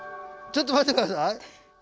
ちょっと待って下さい。